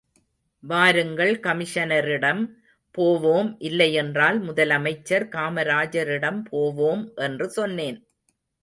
வாருங்கள் கமிஷனரிடம் போவோம், இல்லையென்றால் முதலமைச்சர் காமராஜரிடம் போவோம், என்று சென்னேன்.